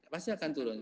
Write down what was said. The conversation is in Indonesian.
pasti akan turun